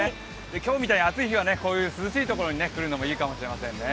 今日みたいに暑い日はこういう涼しいところに来るのもいいかもしれませんね。